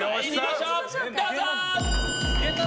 どうぞ！